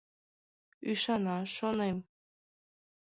— Ӱшана, шонем.